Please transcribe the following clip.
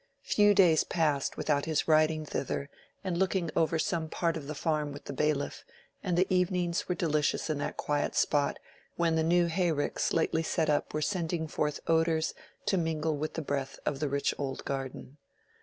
Few days passed without his riding thither and looking over some part of the farm with the bailiff, and the evenings were delicious in that quiet spot, when the new hay ricks lately set up were sending forth odors to mingle with the breath of the rich old garden.